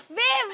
aduh duluan aja